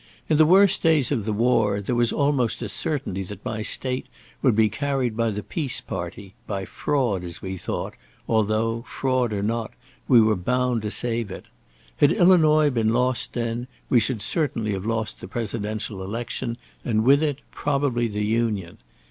In the worst days of the war there was almost a certainty that my State would be carried by the peace party, by fraud, as we thought, although, fraud or not, we were bound to save it. Had Illinois been lost then, we should certainly have lost the Presidential election, and with it probably the Union.